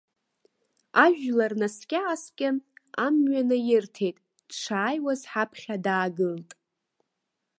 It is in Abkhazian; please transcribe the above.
Ажәлар наскьа-ааскьан, амҩа наирҭеит, дшааиуаз ҳаԥхьа даагылт.